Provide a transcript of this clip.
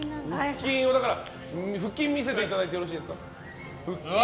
腹筋見せていただいていいですか？